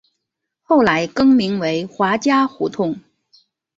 后来更名为华嘉胡同。